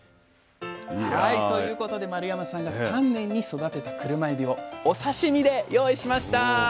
ということで丸山さんが丹念に育てたクルマエビをお刺身で用意しました。